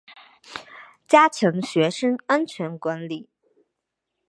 加强学生安全管理